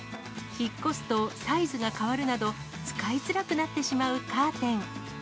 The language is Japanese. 引っ越すとサイズが変わるなど、使いづらくなってしまうカーテン。